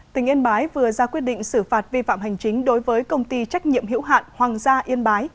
tỉnh yên bái vừa ra quyết định xử phạt vi phạm hành chính đối với công ty trách nhiệm hữu hạn hoàng gia yên bái